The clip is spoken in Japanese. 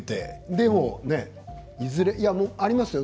でも、いずれありますよ。